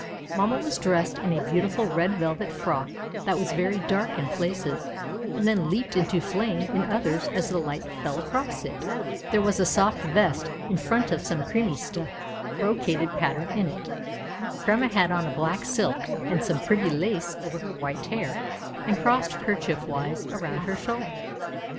Mamma was dressed in a beautiful red velvet frock that was very dark in places, and then leaped into flame in others as the light fell across it. There was a soft vest in front of some creamy stuff, with a brocaded pattern in it. Grandma had on a black silk, and some pretty lace over her white hair and crossed kerchief wise around her shoulders.